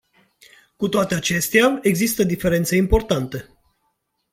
Cu toate acestea, există diferențe importante.